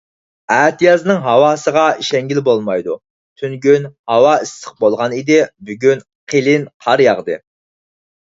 ئەتىيازنىڭ ھاۋاسىغا ئىشەنگىلى بولمايدۇ. تۈنۈگۈن ھاۋا ئىسسىق بولغان ئىدى، بۈگۈن قېلىن قار ياغدى.